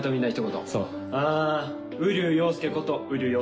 あ瓜生陽介こと瓜生陽介です。